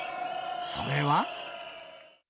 それは。